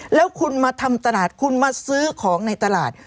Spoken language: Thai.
แล้วคุณมาทำตลาดคุณมาซื้อของในตลาด